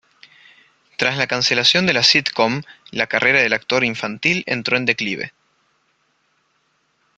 Tras la cancelación de la "sitcom", la carrera del actor infantil entró en declive.